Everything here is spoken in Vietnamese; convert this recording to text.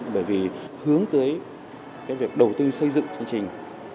bởi vì hướng tới cái việc đầu tư xây dựng chương trình